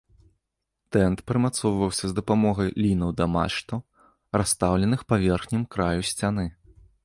Тэнт прымацоўваўся з дапамогай лінаў да мачтаў, расстаўленых па верхнім краю сцяны.